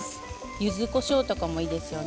ゆずこしょうとかもいいですよね。